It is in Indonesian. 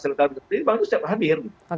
selitar pilihan itu siap hadir